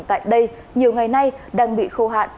tại đây nhiều ngày nay đang bị khô hạn